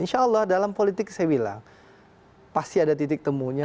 insya allah dalam politik saya bilang pasti ada titik temunya